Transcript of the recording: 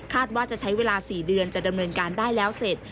ว่าจะใช้เวลา๔เดือนจะดำเนินการได้แล้วเสร็จ